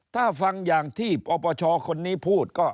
ถ้าฟังอย่างที่ปปชคนนี้พูดก็